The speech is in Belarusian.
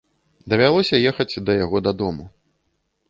Давялося ехаць да яго дадому.